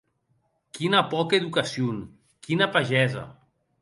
Quina pòca educacion!, quina pagesa!